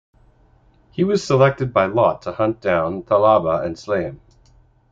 He was selected by lot to hunt down Thal'aba and slay him.